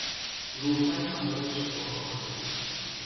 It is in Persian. روحا همراه شما خواهم بود.